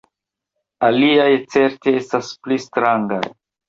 Aliaj certe estas pli strangaj.